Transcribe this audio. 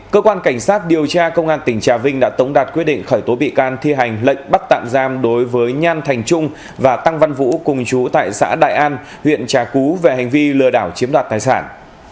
cơ quan cảnh sát điều tra công an tỉnh trà vinh đã tống đạt quyết định khởi tố bị can thi hành lệnh bắt tạm giam đối với nhan thành trung và tăng văn vũ cùng chú tại xã đại an huyện trà cú về hành vi lừa đảo chiếm đoạt tài sản